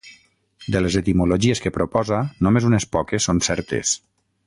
De les etimologies que proposa, només unes poques són certes.